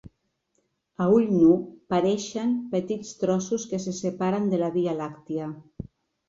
A l'ull nu, pareixen petits trossos que se separen de la Via Làctia.